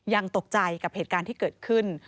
ยังตกใจกับเหตุการณ์ที่เกิดขึ้น